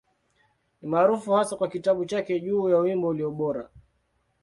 Ni maarufu hasa kwa kitabu chake juu ya Wimbo Ulio Bora.